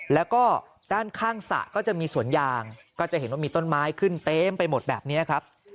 แล้วก็ด้านข้างสระก็จะมีสวนยางก็จะเห็นว่ามีต้นไม้ขึ้นเต็มไปหมดแบบนี้ครับ